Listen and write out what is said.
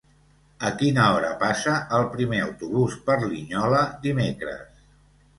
A quina hora passa el primer autobús per Linyola dimecres?